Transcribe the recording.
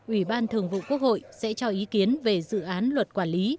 ủy ban thường vụ quốc hội sẽ cho ý kiến về dự án luật quản lý